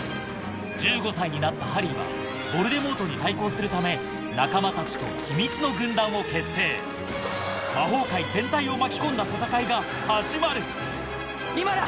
１５歳になったハリーはヴォルデモートに対抗するため仲間たちと秘密の軍団を結成魔法界全体を巻き込んだ戦いが始まる今だ！